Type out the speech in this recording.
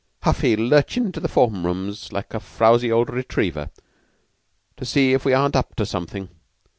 Heffy lurchin' into the form rooms like a frowzy old retriever, to see if we aren't up to something.